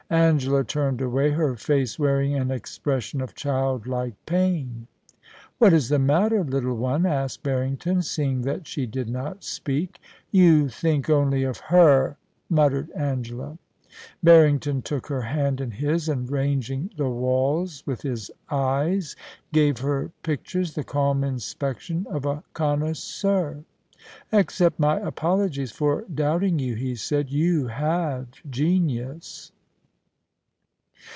Angela turned away, her face wearing an expression of childlike pain. ' What is the matter, little one T asked Barrington, seeing that she did not speak. 122 POLICY AND PASSION, ' You think only of her^^ muttered Angela. Barrington took her hand in his, and ranging the walls with his eyes, gave her pictures the calm inspection of a connoisseur. * Accept my apologies for doubting you,* he said. * You have genius.